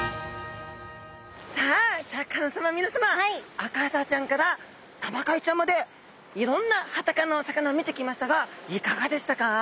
アカハタちゃんからタマカイちゃんまでいろんなハタ科のお魚を見てきましたがいかがでしたか？